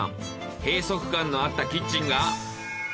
閉塞感のあったキッチンが。